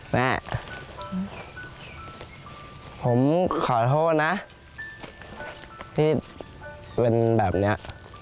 แม่ผมขอโทษนะที่เป็นแบบนี้